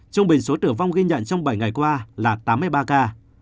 trung bình số tử vong ghi nhận trong bảy ngày qua là tám mươi ba ca